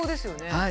はい。